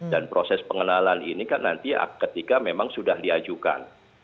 dan proses pengenalan ini kan nanti ketika memang sudah diajukan